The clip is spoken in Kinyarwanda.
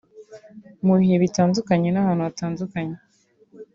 mu bihe bitandukanye n’ahantu hatandukanye